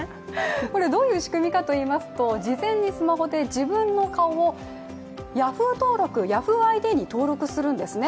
これどういう仕組みかといいますと事前にスマホで自分の顔をヤフーＩＤに登録するんですね。